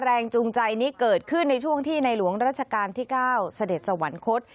จูงใจนี้เกิดขึ้นในช่วงที่ในหลวงราชการที่๙เสด็จสวรรคต